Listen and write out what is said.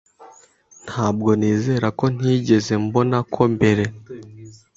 Ntabwo nizera ko ntigeze mbona ko mbere.